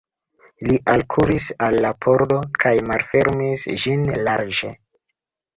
Li alkuris al la pordo kaj malfermis ĝin larĝe.